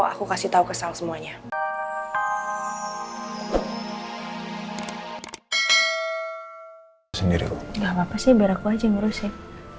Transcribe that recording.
aku kasih tahu kesal semuanya sendiri nggak apa apa sih beraku aja ngurusin